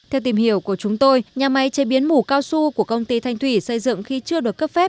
theo tìm hiểu của chúng tôi nhà máy chế biến mủ cao su của công ty thanh thủy xây dựng khi chưa được cấp phép